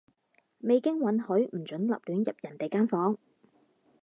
未經允許，唔准立亂入人哋間房